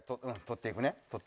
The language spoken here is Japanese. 取っていくね。